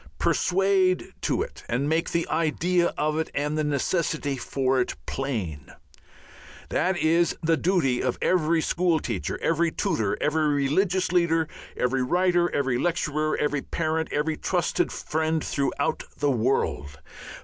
"Persuade to it and make the idea of it and the necessity for it plain," that is the duty of every school teacher, every tutor, every religious teacher, every writer, every lecturer, every parent, every trusted friend throughout the world.